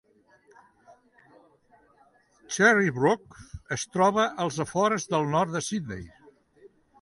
Cherrybrook es troba als afores del nord de Sydney.